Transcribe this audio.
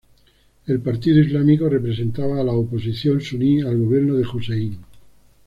El Partido Islámico representaba a la oposición suní al gobierno de Hussein.